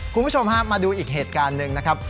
คุณผู้ชมฮะมาดูอีกเหตุการณ์หนึ่งนะครับ